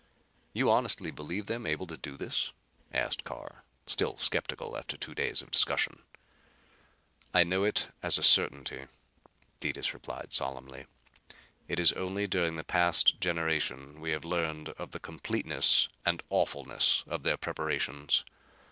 "You honestly believe them able to do this?" asked Carr, still skeptical after two days of discussion. "I know it as a certainty," Detis replied solemnly. "It is only during the past generation we have learned of the completeness and awfulness of their preparations.